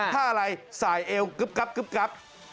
ถ้าอะไรสายเอวกึ๊บ